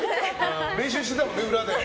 練習してたもんね、裏で。